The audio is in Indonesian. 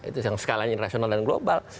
itu yang skalanya internasional dan global